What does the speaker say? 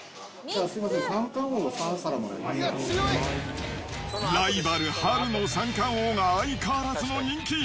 すみません、三貫王を３皿もライバル、春の三貫王が相変わらずの人気。